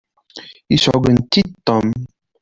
Yesεuggen-itt-id Tom.